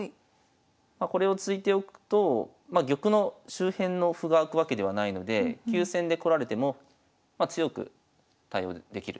これを突いておくと玉の周辺の歩が開くわけではないので急戦でこられてもまあ強く対応できる。